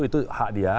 itu hak dia